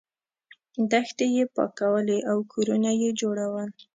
دښتې یې پاکولې او کورونه یې جوړول.